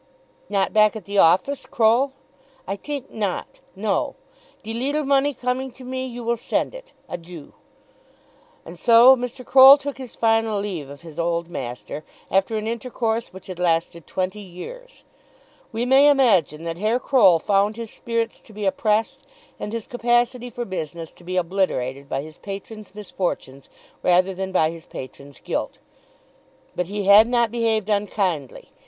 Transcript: "Not back at the office, Croll?" "I tink not; no. De leetle money coming to me, you will send it. Adieu." And so Mr. Croll took his final leave of his old master after an intercourse which had lasted twenty years. We may imagine that Herr Croll found his spirits to be oppressed and his capacity for business to be obliterated by his patron's misfortunes rather than by his patron's guilt. But he had not behaved unkindly.